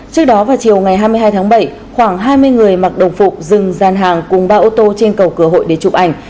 trước đó vào chiều ngày hai mươi hai tháng bảy khoảng hai mươi người mặc đồng phục dừng gian hàng cùng ba ô tô trên cầu cửa hội để chụp ảnh